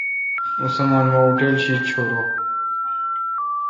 اوں سامان مہ اوٹل شی چھور۔